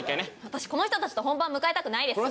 私この人たちと本番迎えたくないです。